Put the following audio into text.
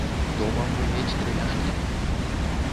Дома мне мець тры мяшкі?